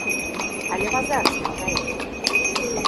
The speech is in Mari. Але пазарыш наҥгает?